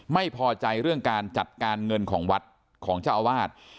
ไม่พอใจเรื่องการจัดการเงินของวัดของเจ้าอาวาส